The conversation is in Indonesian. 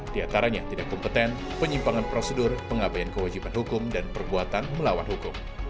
di antaranya tidak kompeten penyimpangan prosedur pengabayan kewajiban hukum dan perbuatan melawan hukum